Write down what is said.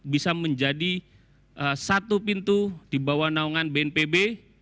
bisa menjadi satu pintu di bawah naungan bnpb